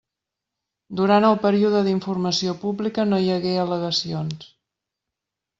Durant el període d'informació pública no hi hagué al·legacions.